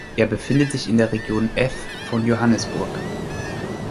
Er befindet sich in der Region F von Johannesburg.